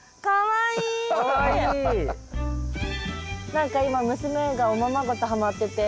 何か今娘がおままごとはまってて。